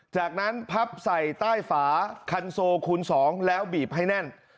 จากนั้นพับใส่ใต้ฝาคันโซคูณ๒แล้วบีบให้แน่น